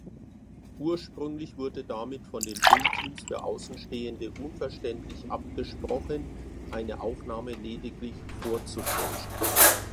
Ursprünglich wurde damit von den Filmteams für Außenstehende unverständlich abgesprochen, eine Aufnahme lediglich vorzutäuschen.